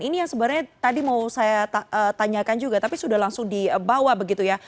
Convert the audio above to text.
ini yang sebenarnya tadi mau saya tanyakan juga tapi sudah langsung dibawa begitu ya